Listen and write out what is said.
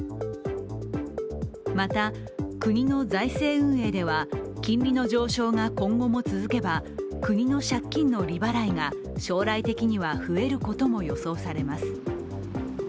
また、国の財政運営では金利の上昇が今後も続けば国の借金の利払いが将来的には増えることも予想されます。